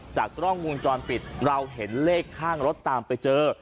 กล้องวงจรปิดเราเห็นเลขข้างรถตามไปเจอ